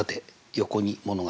横に「物語」。